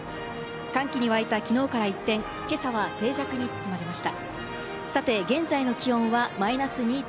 歓喜に沸いた昨日から一転、今朝は静寂に包まれました。